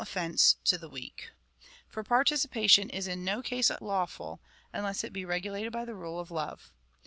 285 sio7i of offence to tlie weak. For participation is in no case lawful, unless it be regulated by the rule of love.